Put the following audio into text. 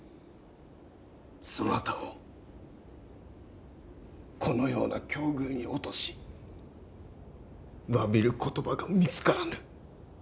そなたをこのような境遇に落とし詫びる言葉が見つからぬ。